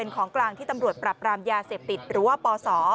ของกลางที่ตำรวจปรับรามยาเสพติดหรือว่าปศ